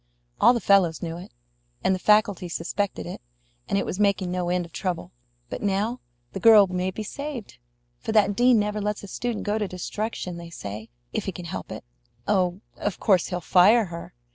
All the fellows knew it, and the faculty suspected it; and it was making no end of trouble. But now the girl may be saved, for that dean never lets a student go to destruction, they say, if he can help it. Oh, of course he'll fire her.